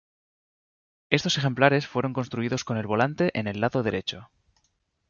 Estos ejemplares fueron construidos con el volante en el lado derecho.